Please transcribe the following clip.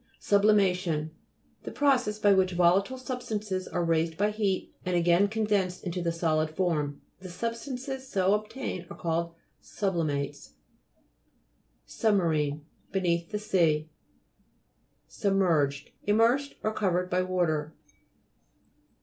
SUBLIMA'TION The process by which volatile substances are raised by heat, and again condensed into the solid form. The substances so obtained are called sub'limates. SUBMARINE Beneath the sea. SUBMERGED Immersed or covered by water.